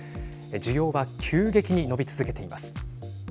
需要は急激に伸び続けています。